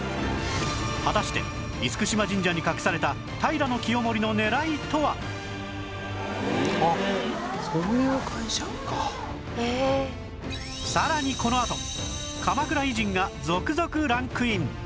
果たして嚴島神社に隠されたさらにこのあと鎌倉偉人が続々ランクイン！